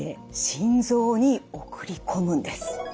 心臓に送り込むんです。